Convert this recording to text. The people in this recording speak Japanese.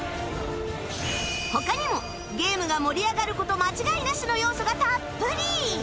他にもゲームが盛り上がる事間違いなしの要素がたっぷり！